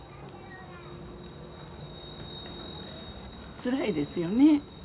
つらいですよね